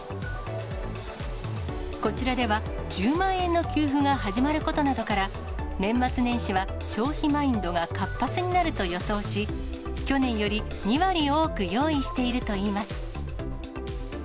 こちらでは、１０万円の給付が始まることなどから、年末年始は消費マインドが活発になると予想し、去年より２割多く用意しているといいます。